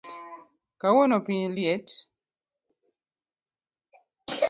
Kawuono piny liet